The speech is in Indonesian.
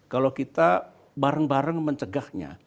kalau kita bareng bareng mencegahnya